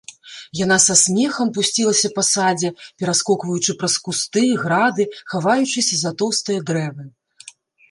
Яна са смехам пусцілася па садзе, пераскокваючы праз кусты, грады, хаваючыся за тоўстыя дрэвы.